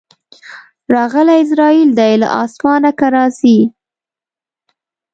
راغلی عزراییل دی له اسمانه که راځې